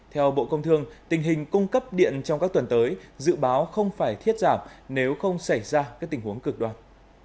theo bộ công thương tình hình cung cấp điện trong các tuần tới dự báo không phải thiết giảm nếu không xảy ra các tình huống cực đoan